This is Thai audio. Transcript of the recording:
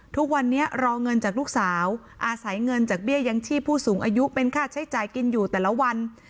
ทุกวันนี้รอเงินจากลูกสาวอาศัยเงินจากเบี้ยยังชีพผู้สูงอายุเป็นค่าใช้จ่ายกินอยู่แต่ละวัน